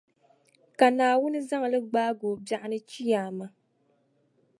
ka Naawuni zaŋ li gbaagi o biɛɣuni Chiyaama.